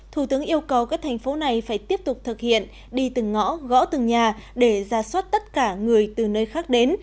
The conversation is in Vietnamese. thủ tướng yêu cầu các thành phố này phải tiếp tục thực hiện đi từng ngõ gõ từng nhà để ra soát tất cả người từ nơi khác đến